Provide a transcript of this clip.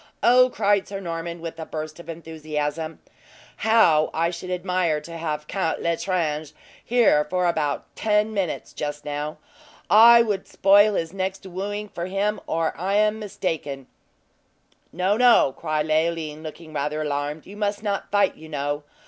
Oh," cried Sir Norman, with a burst of enthusiasm, "how I should admire to have Count L'Estrange here for about ten minutes, just now! I would spoil his next wooing for him, or I am mistaken!" "No, no!" said Leoline, looking rather alarmed; "you must not fight, you know.